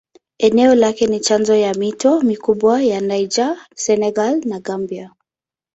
Eneo lake ni chanzo ya mito mikubwa ya Niger, Senegal na Gambia.